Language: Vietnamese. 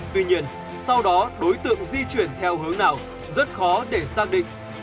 tuy nhiên sau đó đối tượng di chuyển theo hướng nào rất khó để xác định